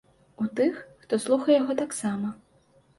У тых, хто слухае яго, таксама.